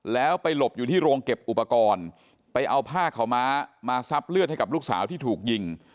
แล้วไปหลบอยู่ที่โรงเก็บอุปกรณ์ไปเอาผ้าขาวม้ามาซับเลือดให้กับลูกสาวที่ถูกยิง